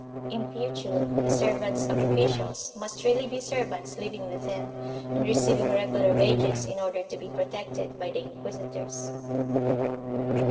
In future the servants of officials must really be servants living with them and receiving regular wages in order to be protected by the inquisitors.